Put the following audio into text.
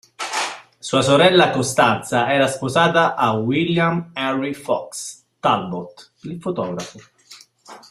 Sua sorella Costanza era sposata a William Henry Fox Talbot, il fotografo.